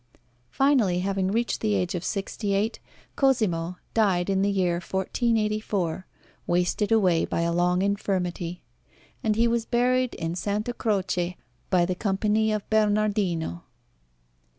Finally, having reached the age of sixty eight, Cosimo died in the year 1484, wasted away by a long infirmity; and he was buried in S. Croce by the Company of Bernardino.